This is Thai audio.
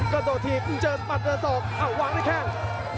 ก็โดดทีบเจอปัดประสงค์อ้าววางได้แค่ง